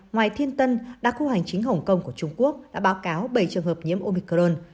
ngoài thiên tân đặc khu hành chính hồng kông của trung quốc đã báo cáo bảy trường hợp nhiễm omicron